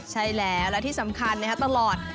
ใช่แล้วและที่สำคัญนะครับตลอด